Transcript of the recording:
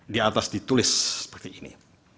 di atas ditulis seperti ini